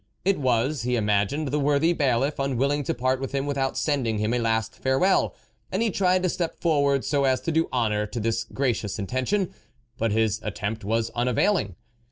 It was, he imagined, the worthy bailiff, unwilling to part with him without send ing him a last farewell, and he tried to step forward so as to do honour to this gracious intention, but his attempt was unavailing.